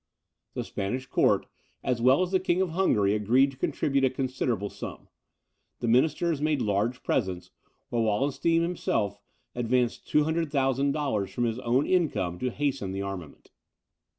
The Spanish court, as well as the King of Hungary, agreed to contribute a considerable sum. The ministers made large presents, while Wallenstein himself advanced 200,000 dollars from his own income to hasten the armament.